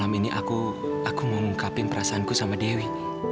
eh menurutku sama dewi